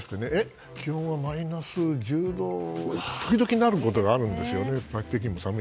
気温はマイナス１０度くらいに時々なることがあるんですよね。